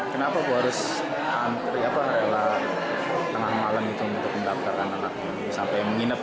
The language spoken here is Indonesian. kenapa harus antri apa adalah tengah malam untuk mendapatkan anak sampai menginap